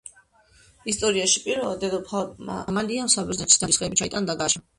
ისტორიაში პირველად, დედოფალმა ამალიამ საბერძნეთში ნაძვის ხეები ჩაიტანა და გააშენა.